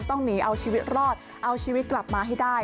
ต้องหนีเอาชีวิตรอดเอาชีวิตกลับมาให้ได้